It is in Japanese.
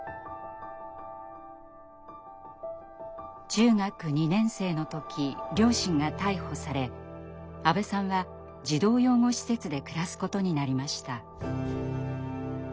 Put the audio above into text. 中学２年生の時両親が逮捕され阿部さんは児童養護施設で暮らすことになりました。